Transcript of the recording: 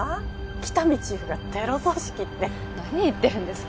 喜多見チーフがテロ組織って何言ってるんですか？